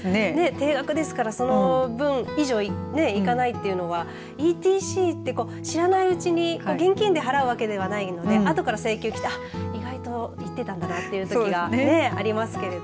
定額ですからその分以上いかないというのはＥＴＣって知らないうちに現金で払うわけではないのであとから請求がきて意外といってたんだなというときがありますけれど。